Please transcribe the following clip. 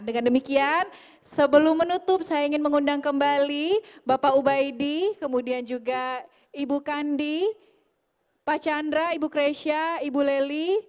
dengan demikian sebelum menutup saya ingin mengundang kembali bapak ubaidi kemudian juga ibu kandi pak chandra ibu kresha ibu leli